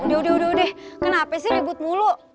eh udah udah udah kenapa sih ribut bulu